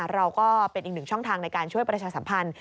เราก็เป็นอีกหนึ่งช่องทางในการช่วยประชาสัมพันธ์